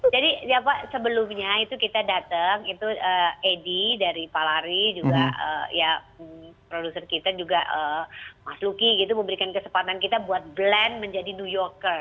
jadi ya pak sebelumnya itu kita dateng itu eddy dari palari juga ya produser kita juga mas lucky gitu memberikan kesempatan kita buat blend menjadi new yorker